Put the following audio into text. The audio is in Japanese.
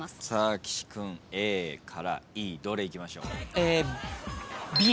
岸君ＡからＥどれいきましょう。